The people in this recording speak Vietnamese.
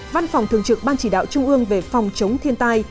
văn phòng thường trực ban chỉ đạo trung ương về phòng chống thiên tai